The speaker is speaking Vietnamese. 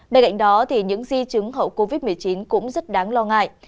bên cạnh đó những di chứng hậu covid một mươi chín cũng rất đáng lo ngại